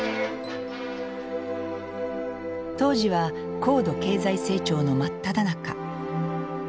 当時は高度経済成長の真っただ中。